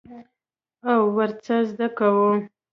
او ورڅخه زده کوو.